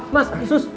mas i sus bantu sus